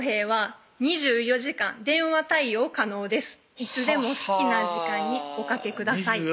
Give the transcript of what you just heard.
「いつでも好きな時間におかけください」